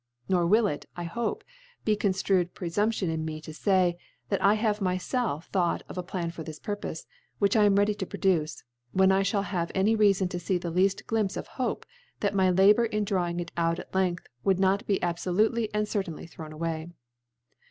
Nor will it, I hope, be conftrued Prefumption in me to fay, that 1 have myfelf thought of a Plan for this Purpofe, which I am ready to produce, when ( 75 ) when I (hall have any Reafon to fee the lead Gliaipfe of Hope, that my Labour in draw ing it out at Length would not be abfolutel/ and certainly thrown away.